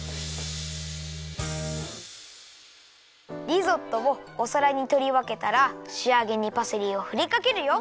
リゾットをおさらにとりわけたらしあげにパセリをふりかけるよ。